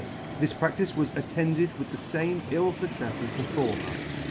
This pradlice was attended with the fame ill fuccefs as the former.